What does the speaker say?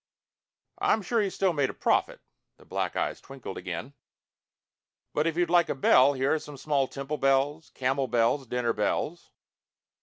"I'm sure he still made a profit." The black eyes twinkled again. "But if you'd like a bell, here are small temple bells, camel bells, dinner bells...."